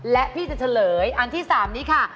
และพี่จะเฉลยอันที่๓นี้ค่ะ